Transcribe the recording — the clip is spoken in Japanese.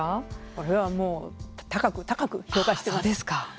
これはもう高く高く評価しています。